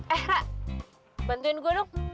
eh rah bantuin gue dong